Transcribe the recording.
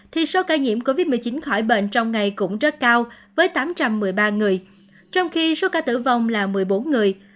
thì số ca nhiễm covid một mươi chín khỏi bệnh trong ngày cũng rất cao với tám trăm một mươi ba người trong khi số ca tử vong là một mươi bốn người